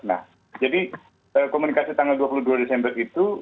nah jadi komunikasi tanggal dua puluh dua desember itu